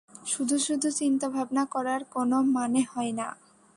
শুধু শুধু চিন্তা ভাবনা করার কোনো মানে হয় না।